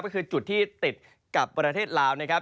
ก็คือจุดที่ติดกับประเทศลาวนะครับ